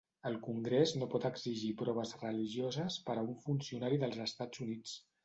El congrés no pot exigir proves religioses per a un funcionari dels Estats Units.